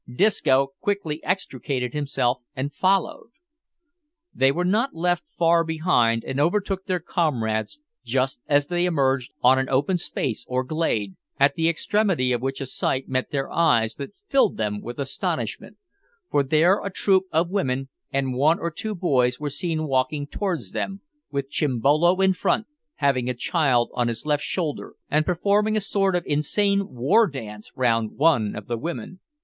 Disco quickly extricated himself, and followed. They were not left far behind, and overtook their comrades just as they emerged on an open space, or glade, at the extremity of which a sight met their eyes that filled them with astonishment, for there a troop of women and one or two boys were seen walking towards them, with Chimbolo in front, having a child on his left shoulder, and performing a sort of insane war dance round one of the women.